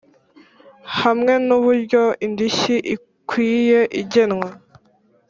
hamwe nuburyo indishyi ikwiye igenwa